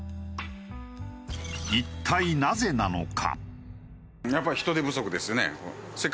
一体なぜなのか？